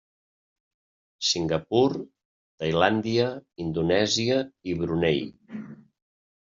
Singapur, Tailàndia, Indonèsia i Brunei.